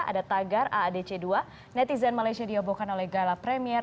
ada tagar aadc dua netizen malaysia diobohkan oleh gala premier